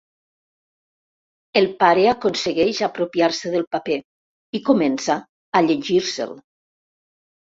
El pare aconsegueix apropiar-se del paper i comença a llegir-se'l.